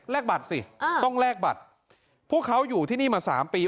แลกบัตรสิเอ่อต้องแลกบัตรพวกเขาอยู่ที่นี่มาสามปี